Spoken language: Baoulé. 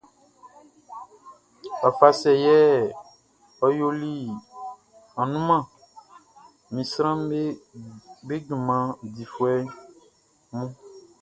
Wafa sɛ yɛ ɔ yoli annunman ni sranʼm be junman difuɛ mun?